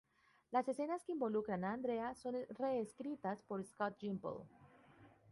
Las escenas que involucran a Andrea son re-escritas por Scott Gimple.